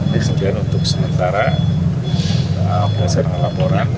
jadi untuk sementara saya laporan